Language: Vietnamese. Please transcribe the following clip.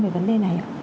về vấn đề này ạ